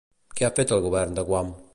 Què ha fet el govern de Guam?